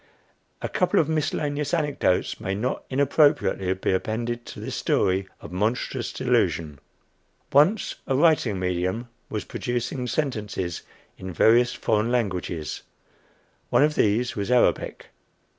A couple of miscellaneous anecdotes may not inappropriately be appended to this story of monstrous delusion. Once a "writing medium" was producing sentences in various foreign languages. One of these was Arabic.